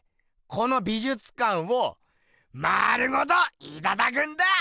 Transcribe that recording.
この美じゅつかんを丸ごといただくんだ！